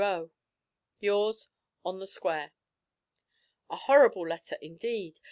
Roe. 'Yours, 'ON THE SQUARE.' A horrible letter, indeed!